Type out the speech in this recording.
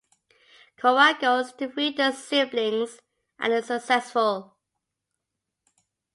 Korah goes to free the siblings, and is successful.